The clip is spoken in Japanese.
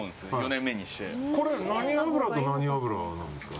４年目にして。